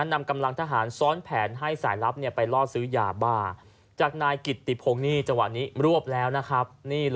นำกำลังทหารซ้อนแผนให้สายลับไปล่อซื้อยาบ้าจากนายกิตติพงศ์นี่จังหวะนี้รวบแล้วนะครับ